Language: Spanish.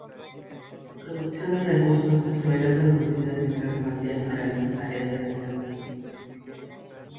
La producción de recursos se verá reducida mientras los aldeanos realizan tareas de defensa.